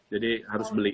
jadi harus beli